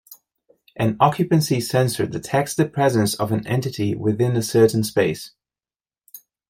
An occupancy sensor detects the presence of an entity within a certain space.